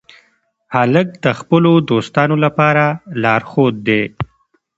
هلک د خپلو دوستانو لپاره لارښود دی.